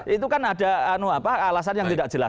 itu kan ada alasan yang tidak jelas